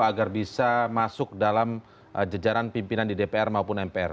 agar bisa masuk dalam jajaran pimpinan di dpr maupun mpr